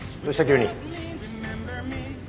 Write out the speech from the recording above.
急に。